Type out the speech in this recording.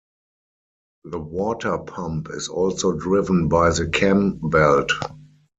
The water pump is also driven by the cam belt.